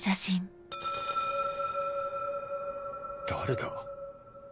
誰だ？